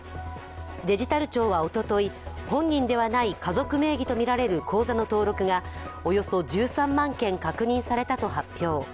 デジタル庁はおととい、本人ではない家族名義とみられる口座の登録がおよそ１３万件確認されたと発表。